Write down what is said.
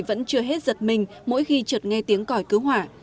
vẫn chưa hết giật mình mỗi khi trượt nghe tiếng còi cứu hỏa